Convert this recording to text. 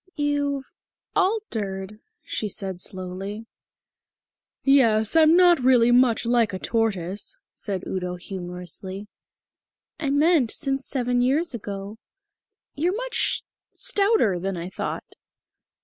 "You've altered," she said slowly. "Yes, I'm not really much like a tortoise," said Udo humorously. "I meant since seven years ago. You're much stouter than I thought."